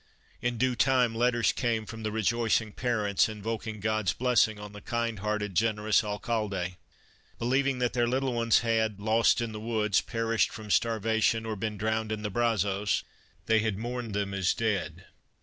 In due time letters came from the rejoicing parents invoking God's blessing on the kind hearted, generous Alcalde. Believing that their little ones had, lost in the woods, perished from starvation, or been drowned in the Brazos, they had mourned them as dead.